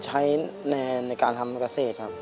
ใช้ในการทำประเศษครับ